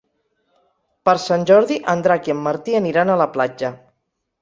Per Sant Jordi en Drac i en Martí aniran a la platja.